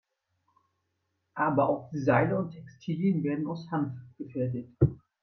Aber auch Seile und Textilien werden aus Hanf gefertigt.